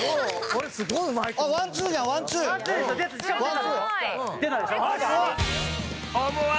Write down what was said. これ、すごいうまいと思う。